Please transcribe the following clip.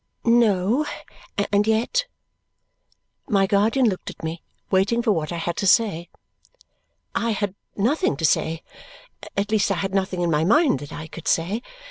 No. And yet My guardian looked at me, waiting for what I had to say. I had nothing to say. At least I had nothing in my mind that I could say.